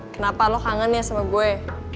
kenapa lo kangen ya sama gue